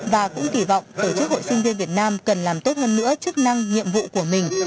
và cũng kỳ vọng tổ chức hội sinh viên việt nam cần làm tốt hơn nữa chức năng nhiệm vụ của mình